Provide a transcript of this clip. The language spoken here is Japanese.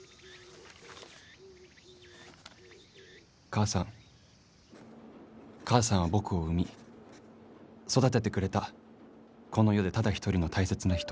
・「母さん母さんは僕を生み育ててくれたこの世でただ一人の大切な人。